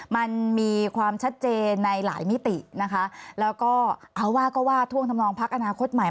มันมีความชัดเจนในหลายมิตินะคะแล้วก็เอาว่าก็ว่าท่วงทำนองพักอนาคตใหม่